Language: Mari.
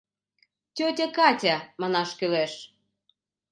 «Тётя Катя» манаш кӱлеш.